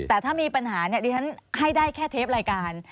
แต่ถ้ามีปัญหาเนี่ยดิฉันให้ได้แค่เทปรายการ